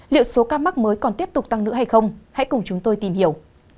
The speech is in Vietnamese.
liệu số ca mắc mới còn tiếp tục tăng nữa hay không hãy cùng chúng tôi tìm hiểu